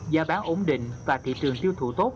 giá bán ổn định và thị trường tiêu thụ tốt